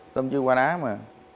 tôm chưa qua đá mà